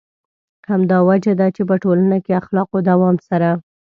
همدا وجه ده چې په ټولنه کې اخلاقو دوام سره.